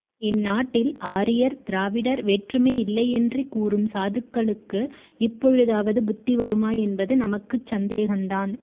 இந்நாட்டில் ஆரியர் திராவிடர் வேற்றுமை இல்லையென்று கூறும் சாதுக்களுக்கு, இப்பொழுதாவது புத்தி வருமா என்பது நமக்குச் சந்தேகந்தான்.